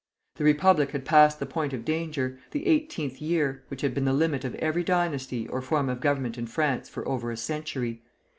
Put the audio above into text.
The Republic had passed the point of danger, the eighteenth year, which had been the limit of every dynasty or form of government in France for over a century.